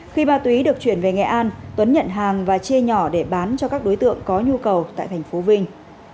khi ma túy được chuyển về nghệ an tuấn nhận hàng và chê nhỏ để bán cho các đối tượng có nhu cầu tại tp vinh